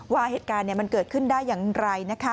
ว่าเหตุการณ์มันเกิดขึ้นได้อย่างไร